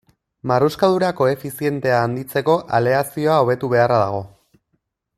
Marruskadura koefizientea handitzeko aleazioa hobetu beharra dago.